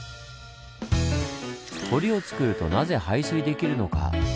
堀をつくるとなぜ排水できるのか。